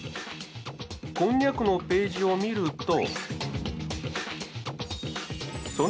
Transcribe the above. こんにゃくのページを見ると。